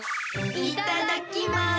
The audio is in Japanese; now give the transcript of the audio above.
いただきます！